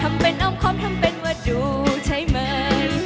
ทำเป็นอ้อมความทำเป็นว่าดูใช่ไหม